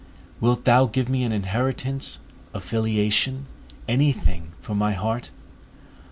Wilt thou give me an inheritance, a filiation, any thing for my heart?